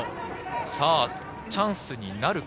チャンスになるか？